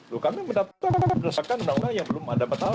loh kami mendapatkan berdasarkan menanggungan yang belum ada betul